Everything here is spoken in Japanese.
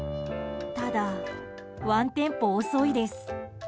ただ、ワンテンポ遅いです。